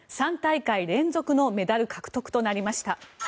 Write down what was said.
３大会連続のメダル獲得となりました。